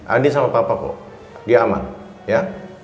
andin sama papa kok dia aman ya